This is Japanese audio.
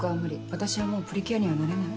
私はもうプリキュアにはなれない。